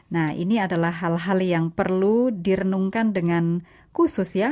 nah ini adalah hal hal yang perlu direnungkan dengan khusus ya